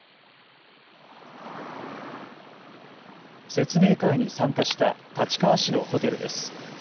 説明会に参加した立川市のホテルです。